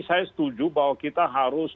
saya setuju bahwa kita harus